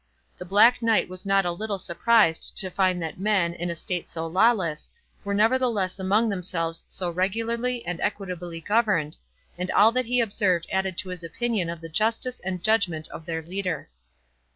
The Black Knight was not a little surprised to find that men, in a state so lawless, were nevertheless among themselves so regularly and equitably governed, and all that he observed added to his opinion of the justice and judgment of their leader.